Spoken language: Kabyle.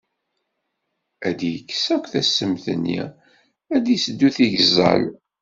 Ad d-ikkes akk tassemt-nni, ad d-iseddu tigeẓẓal.